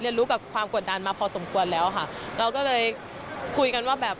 รู้กับความกดดันมาพอสมควรแล้วค่ะเราก็เลยคุยกันว่าแบบ